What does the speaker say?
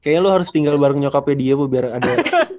kayaknya lu harus tinggal bareng nyokapnya dia bu biar ada